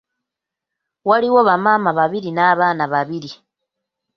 Waaliwo bamaama babiri n'abaana babiri.